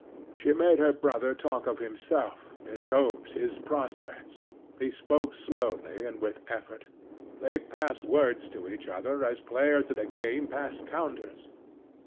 She made her brother talk of himself, his hopes, his prospects. He spoke slowly and with effort. They passed words to each other as players at a game pass counters.